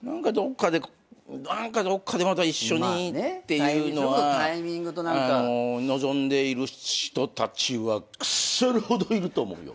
何かどっかでまた一緒にっていうのは望んでいる人たちは腐るほどいると思うよ。